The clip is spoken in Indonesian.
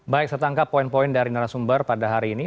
baik saya tangkap poin poin dari narasumber pada hari ini